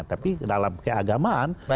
tapi dalam keagamaan